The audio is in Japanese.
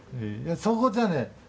そこじゃねえ。